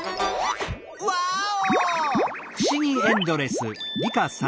ワーオ！